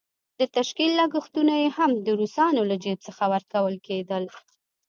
د تشکيل لګښتونه یې هم د روسانو له جېب څخه ورکول کېدل.